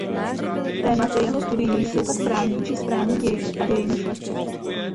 Tématy jeho studií jsou pak právní či správní dějiny a dějiny šlechty.